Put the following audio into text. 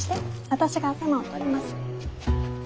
私が頭を取ります。